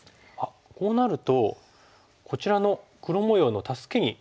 こうなるとこちらの黒模様の助けにこの辺りもなってますよね。